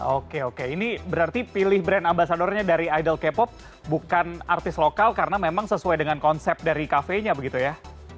oke oke ini berarti pilih brand ambasadornya dari idol k pop bukan artis lokal karena memang sesuai dengan konsep dari kafenya begitu ya